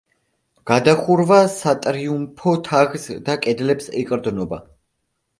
გადახურვა სატრიუმფო თაღს და კედლებს ეყრდნობა.